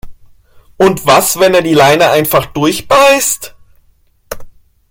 Und was, wenn er die Leine einfach durchbeißt?